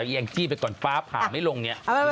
แย่งจี้ไปก่อนฟ้าผ่าไม่ลงเนี่ย